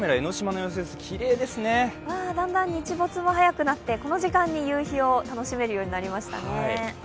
だんだん日没も早くなってきてこの時間に夕日を楽しめるようになりますね。